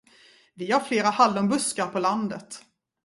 Vi har flera hallonbuskar på landet.